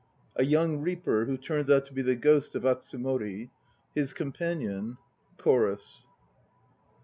A YOUNG REAPER, who turns out to be the ghost of Atsumori. HIS COMPANION. CHORUS.